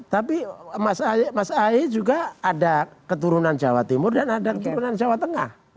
tapi mas ahy juga ada keturunan jawa timur dan ada keturunan jawa tengah